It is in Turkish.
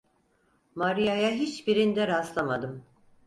Maria'ya hiçbirinde rastlamadım.